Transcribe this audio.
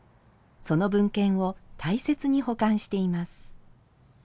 その文献を大切に保管しています。